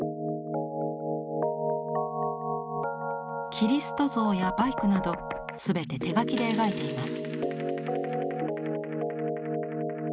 キリスト像やバイクなどすべて手描きで描いています。